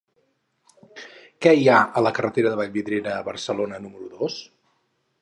Què hi ha a la carretera de Vallvidrera a Barcelona número dos?